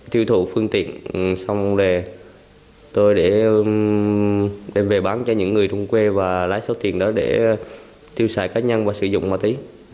tiêu thụ phương tiện xong rồi tôi để đem về bán cho những người thung quê và lái số tiền đó để tiêu xài cá nhân và sử dụng một tí